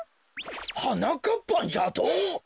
「はなかっぱん」じゃと？